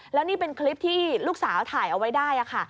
แล้วนี่เป็นคลิปที่ลูกสาวถ่ายเอาไว้ได้ค่ะ